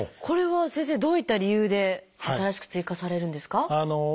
これは先生どういった理由で新しく追加されるんですか？